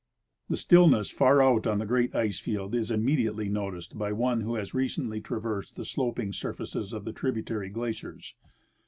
The stillness far out on the great ice field is immediatel}^ noticed by one who has recently traversed the sloping surfaces of the tributary glaciers.